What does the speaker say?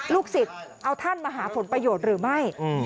สิทธิ์เอาท่านมาหาผลประโยชน์หรือไม่